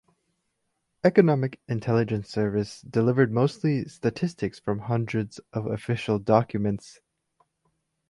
Economic Intelligence Service delivered mostly statistics from hundreds of official documents.